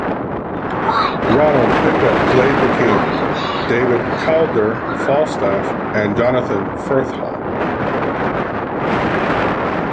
Ronald Pickup played the King, David Calder Falstaff, and Jonathan Firth Hal.